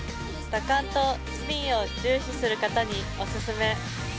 打感とスピンを重視する方にお勧め。